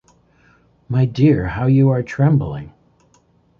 My dear, how you are trembling!